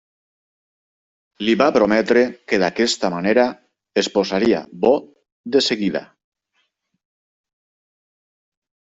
Li va prometre que d'aquesta manera es posaria bo de seguida.